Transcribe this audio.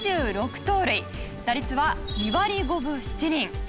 盗塁打率は２割５分７厘。